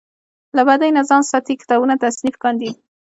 له بدۍ نه ځان ساتي کتابونه تصنیف کاندي.